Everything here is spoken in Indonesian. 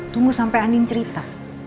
tunggu sampe andin cerita